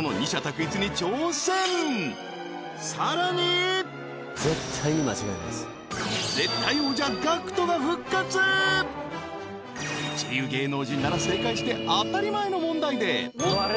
一流芸能人なら正解して当たり前の問題で